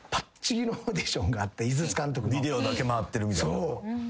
ビデオだけ回ってるみたいな。